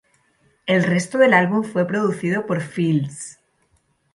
El resto del álbum fue producido por Fields.